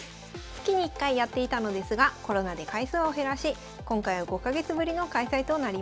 月に１回やっていたのですがコロナで回数を減らし今回は５か月ぶりの開催となりました。